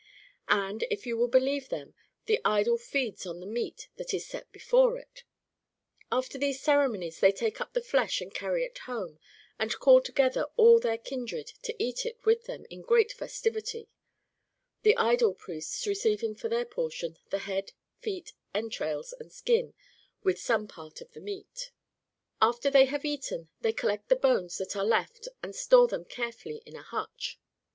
And. if you will believe them, the idol feeds on the meat that is set before it ! After these ceremonies they take up the flesh and carr\ it home, and call together all their kindred to eat it with them in great festivity [the idol priests receiving for their portion the head, feet, entrails, and skin, with some part of the meat]. After they have eaten, they collect the bones that are left and store them carefully in a hutch.